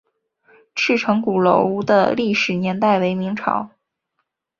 赤城鼓楼的历史年代为明代。